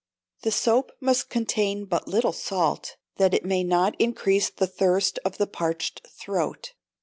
The soap must contain but little salt, that it may not increase the thirst of the parched throat.